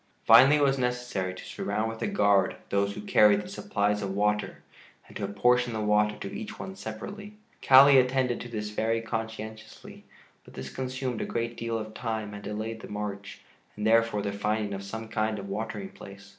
Finally it was necessary to surround with a guard those who carried the supplies of water and to apportion the water to each one separately. Kali attended to this very conscientiously, but this consumed a great deal of time and delayed the march, and therefore the finding of some kind of watering place.